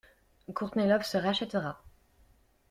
Courtney Love se rachètera.